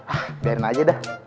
ah biarin aja dah